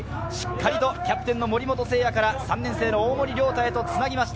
しっかりとキャプテンの盛本聖也から３年生の大森椋太へつなぎました。